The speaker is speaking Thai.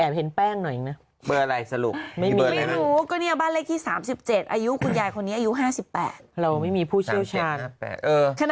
แอบเห็นแป้งหน่อยนะเบอร์อะไรสรุป